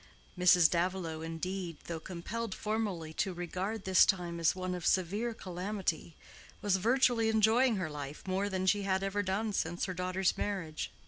Mrs. Davilow, indeed, though compelled formally to regard this time as one of severe calamity, was virtually enjoying her life more than she had ever done since her daughter's marriage.